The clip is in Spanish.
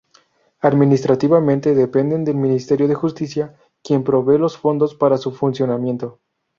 Administrativamente dependen del Ministerio de Justicia, quien provee los fondos para su funcionamiento.